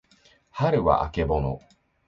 はるはあけぼの